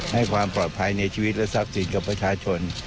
ให้ความปลอดภัยในชีวิตที่สรรพสิทธิกับประชาชน